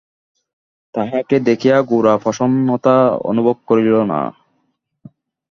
তাঁহাকে দেখিয়া গোরা প্রসন্নতা অনুভব করিল না।